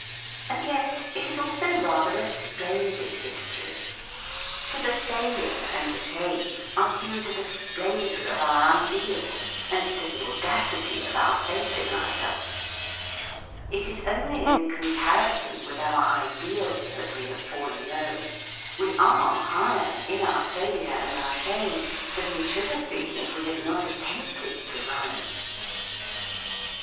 And yet it is also rather a splendid history! For the failure and the shame are due to the splendour of our ideal and to the audacity of our faith in ourselves. It is only in com THE FEAST OF ST FRIEND parison with our ideal that we have fallen low. We are higher, in our fail ure and our shame, than we should have been if we had not attempted to rise.